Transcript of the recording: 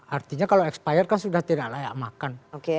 artinya kalau expired kan sudah tidak layak makan